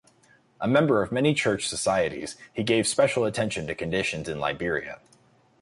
A member of many church societies, he gave special attention to conditions in Liberia.